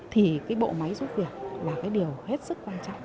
thì cái bộ máy giúp việc là cái điều hết sức quan trọng